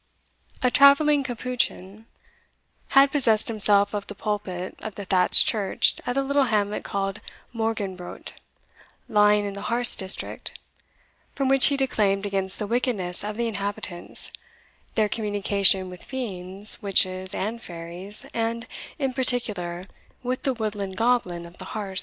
A travelling capuchin had possessed himself of the pulpit of the thatched church at a little hamlet called Morgenbrodt, lying in the Harz district, from which he declaimed against the wickedness of the inhabitants, their communication with fiends, witches, and fairies, and, in particular, with the woodland goblin of the Harz.